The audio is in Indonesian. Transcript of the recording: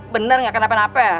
bener gak kenapa napa